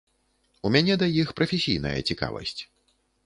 У мяне да іх прафесійная цікавасць.